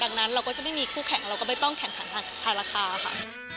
ดังนั้นเราก็จะไม่มีคู่แข่งเราก็ไม่ต้องแข่งขันทางราคาค่ะ